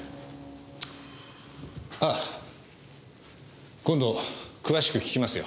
あ今度詳しく聞きますよ。